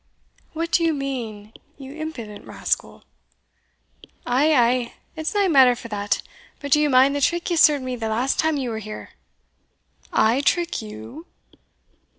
"What do you mean, you impudent rascal?" "Ay, ay, it's nae matter for that but do you mind the trick ye served me the last time ye were here!" "I trick you!"